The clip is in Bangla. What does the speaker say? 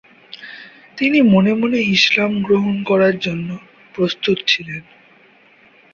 তিনি মনে মনে ইসলাম গ্রহণ করার জন্য প্রস্তুত ছিলেন।